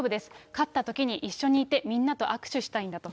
勝ったときに一緒にいてみんなと握手したいんだと。